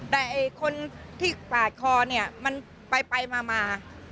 แต่คนที่ปาดคอเนี่ยมันไปมา